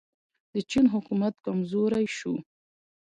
د چین حکومت کمزوری شو.